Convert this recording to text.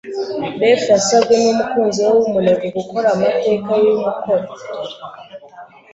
Beth yasabwe numukunzi we wumunebwe gukora amateka ye umukoro.